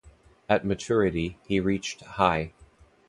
At maturity, he reached high.